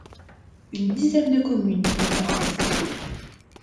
Une dizaine de communes y ont participé.